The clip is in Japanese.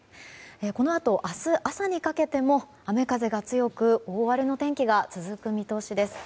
このあと明日朝にかけても雨風が強く大荒れの天気が続く見通しです。